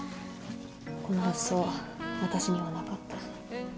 この発想私にはなかった。